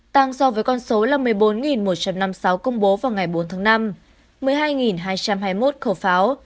tăng so với con số là một mươi bốn một trăm năm mươi sáu công bố vào ngày bốn tháng năm một mươi hai hai trăm hai mươi một khẩu pháo